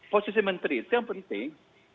posisi menteri itu yang penting